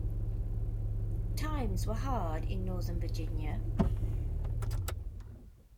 Times were hard in northern Virginia.